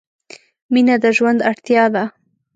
مینه د ژوند اړتیا ده.